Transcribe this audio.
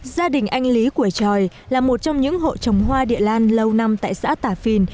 gia đình anh lý của tròi là một trong những hộ trồng hoa địa lan lâu năm tại xã tả phìn